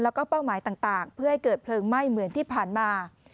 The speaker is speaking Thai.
แล้วก็เป้าหมายต่างเพื่อให้เกิดเพลิงไหม้เหมือนที่ผ่านมา